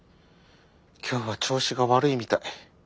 今日は調子が悪いみたい。